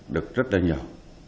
được rất là nhiều